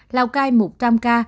lào cai một trăm linh ca